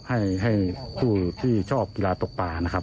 ให้ผู้ที่ชอบกีฬาตกปลา